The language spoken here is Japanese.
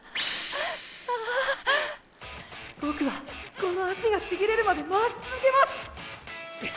ボクはこの足がちぎれるまで回し続けます！